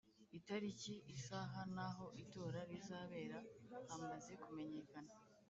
Itariki isaha n’ aho itora rizabera hamaze kumenyekana